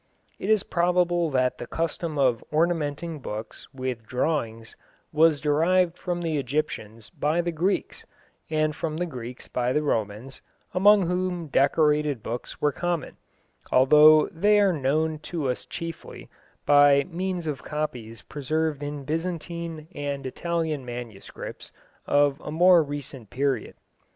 It is probable that the custom of ornamenting books with drawings was derived from the Egyptians by the Greeks, and from the Greeks by the Romans, among whom decorated books were common, although they are known to us chiefly by means of copies preserved in Byzantine and Italian manuscripts of a more recent period.